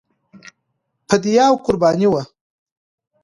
فدیه او قرباني وه.